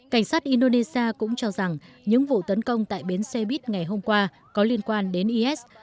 cảnh sát indonesia cũng cho rằng những vụ tấn công tại bến xe buýt ngày hôm qua có liên quan đến is